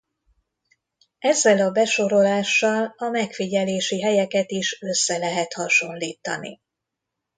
Ezzel a besorolással a megfigyelési helyeket is össze lehet hasonlítani.